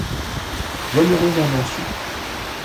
Bienheureuse invention !